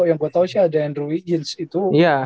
yang gue tau sih ada andrew wiggins itu